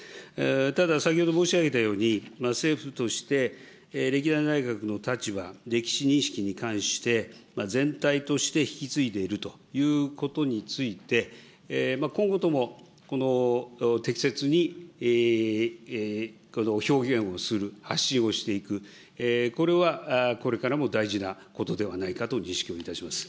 ただ、先ほど申し上げたように、政府として、歴代の内閣の立場、歴史認識に関して、全体として引き継いでいるということについて、今後とも、この適切に表現をする、発信をしていく、これはこれからも大事なことではないかと認識をいたします。